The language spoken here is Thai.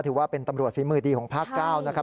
ถือว่าเป็นตำรวจฝีมือดีของภาค๙นะครับ